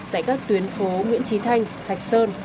tại các tuyến phố nguyễn trí thanh thạch sơn